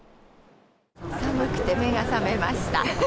寒くて目が覚めました。